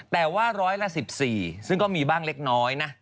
แต่ว่าร้อยละ๑๔ซึ่งก็มีบ้างเล็กน้อยนะ